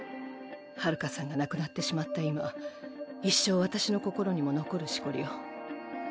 はるかさんが亡くなってしまった今一生私の心にも残るしこりよ。